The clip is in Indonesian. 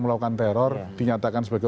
melakukan teror dinyatakan sebagai